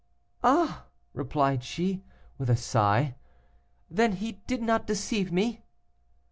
"Ah!" replied she, with a sigh, "then he did not deceive me."